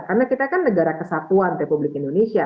karena kita kan negara kesatuan republik indonesia